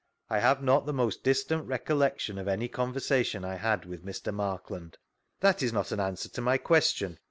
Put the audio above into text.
^I have not the most distant recollection of any conversa tion I had with Mr. Markland. That is not an answer to my question.